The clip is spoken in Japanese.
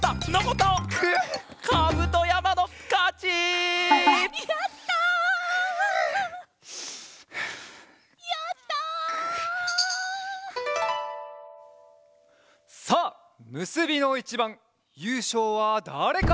さあむすびのいちばんゆうしょうはだれか？